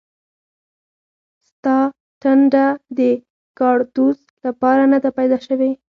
ستا ټنډه د کاړتوس لپاره نه ده پیدا شوې